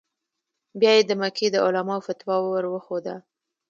بیا یې د مکې د علماوو فتوا ور وښوده.